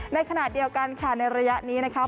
ในขณะเดียวกันค่ะในระยะนี้นะคะ